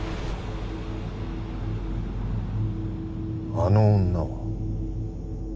あの女は？